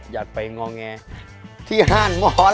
จะไปล่ะ